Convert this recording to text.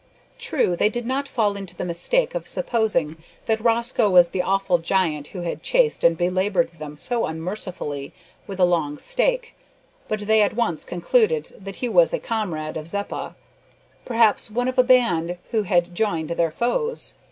True, they did not fall into the mistake of supposing that Rosco was the awful giant who had chased and belaboured them so unmercifully with a long stake, but they at once concluded that he was a comrade of Zeppa perhaps one of a band who had joined their foes.